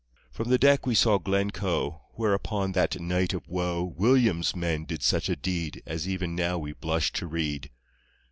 From the deck we saw Glencoe, Where upon that night of woe William's men did such a deed As even now we blush to read.